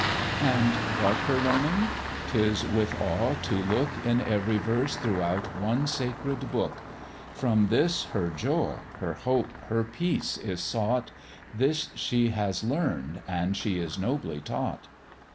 "And what her learning?" 'Tis with awe to look In every verse throughout one sacred book; From this her joy, her hope, her peace is sought; This she has learned, and she is nobly taught.